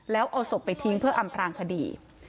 แล้วเอาศพไปทิ้งเพื่ออำพลางคดี